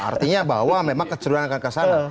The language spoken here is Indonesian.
artinya bahwa memang keceruan akan kesana